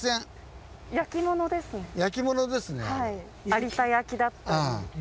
有田焼だったり。